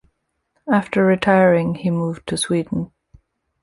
After retiring he moved to Sweden.